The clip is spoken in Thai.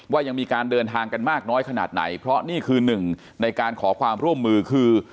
ยังมีการเดินทางกันมากน้อยขนาดไหนเพราะนี่คือหนึ่งในการขอความร่วมมือคือ